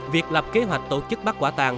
việc lập kế hoạch tổ chức bắt quả tàn